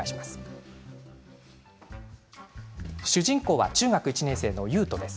主人公は中学１年生の悠人です。